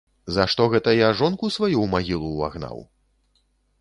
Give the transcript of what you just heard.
За што гэта я жонку сваю ў магілу ўвагнаў?